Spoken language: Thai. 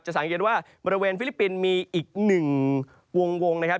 สังเกตว่าบริเวณฟิลิปปินส์มีอีกหนึ่งวงนะครับ